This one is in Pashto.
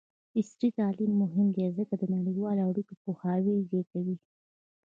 عصري تعلیم مهم دی ځکه چې د نړیوالو اړیکو پوهاوی زیاتوي.